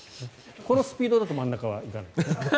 このスピードだと真ん中にはいかない。